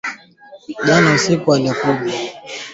Uganda kubuni kifaa cha kudhibiti uchafuzi wa hewa